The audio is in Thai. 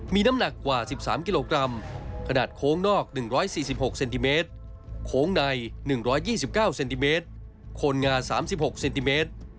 มีน้ำหนักกว่า๑๓กิโลกรัมขนาดโค้งนอก๑๔๖เซนติเมตรโค้งใน๑๒๙เซนติเมตรโคนงา๓๖เซนติเมตร